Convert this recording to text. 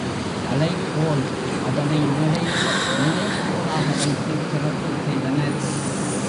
தலைக்கோல் அதனை மேடையில் நிலைக்கோலாக வைத்துச் சிறப்புச் செய்தனர்.